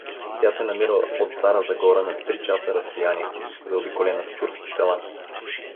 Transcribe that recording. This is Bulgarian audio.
Тя се намира от Стара Загора на три часа разстояние, заобиколена с турски села.